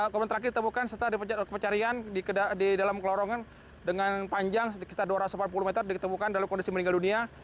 korban terakhir ditemukan setelah pencarian di dalam kelorongan dengan panjang sekitar dua ratus delapan puluh meter ditemukan dalam kondisi meninggal dunia